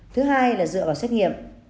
thứ hai là dựa vào xét nghiệm